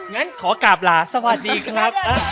งั้นขอกราบลาสวัสดีครับ